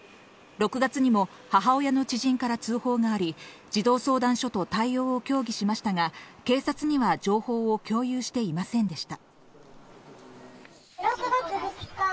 ６月にも母親の知人から通報があり、児童相談所と対応を協議しましたが、警察には情報を共有していませんでした。